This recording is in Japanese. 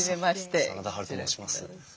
真田ハルと申します。